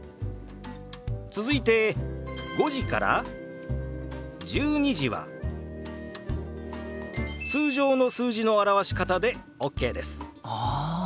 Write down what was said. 続いて５時から１２時は通常の数字の表し方でＯＫです。ああ！